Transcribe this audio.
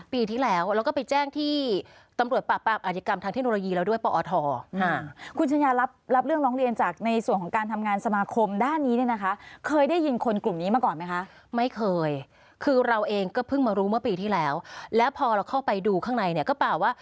ปีที่แล้วแล้วก็ไปแจ้งที่ตำรวจปราบอารยกรรมทางเทคโนโลยีแล้วด้วยปอธ